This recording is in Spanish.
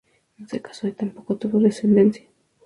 No se casó y tampoco tuvo descendencia.